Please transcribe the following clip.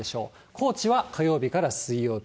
高知は火曜日から水曜日。